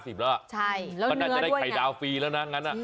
ใช่แล้วเนื้อด้วยนะก็น่าจะได้ไข่ดาวฟรีแล้วนะ